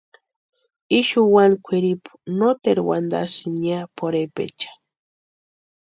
Ixu wani kwʼiripu noteru wantasïni ya pʼorhepecha.